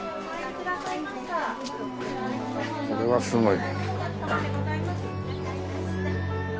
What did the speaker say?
これはすごい。